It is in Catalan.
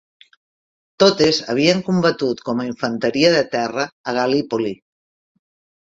Totes havien combatut com a infanteria de terra a Gallipoli.